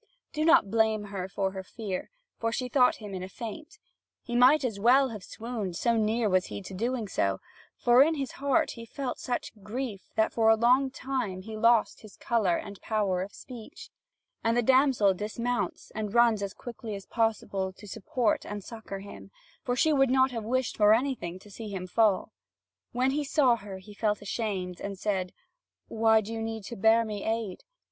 Do not blame her for her fear, for she thought him in a faint. He might as well have swooned, so near was he to doing so; for in his heart he felt such grief that for a long time he lost his colour and power of speech. And the damsel dismounts, and runs as quickly as possible to support and succour him; for she would not have wished for anything to see him fall. When he saw her, he felt ashamed, and said: "Why do you need to bear me aid?"